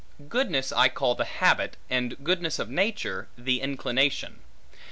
Goodness I call the habit, and goodness of nature, the inclination.